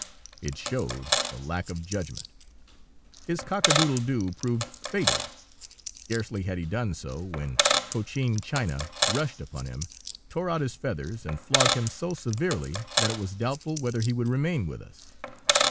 It showed a lack of judgment; his cock a doodle doo proved fatal. Scarcely had he done so, when Cochin China rushed upon him, tore out his feathers, and flogged him so severely that it was doubtful whether he would remain with us.